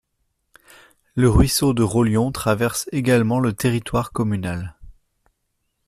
Le ruisseau de Rollion traverse également le territoire communal.